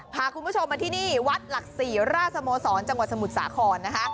พาคุณผู้ชมมาที่นี่วัดหลักศรีราชโมสรจังหวัดสมุทรสาครนะคะ